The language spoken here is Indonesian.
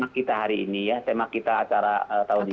karena kita hari ini ya tema kita acara tahun ini